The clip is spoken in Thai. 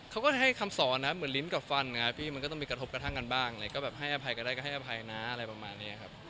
เขาก็ให้คำสอนนะเหมือนลิ้นกับฟันไงพี่มันก็ต้องมีกระทบกระทั่งกันบ้างอะไรก็แบบให้อภัยก็ได้ก็ให้อภัยนะอะไรประมาณนี้ครับ